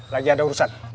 lagi ada urusan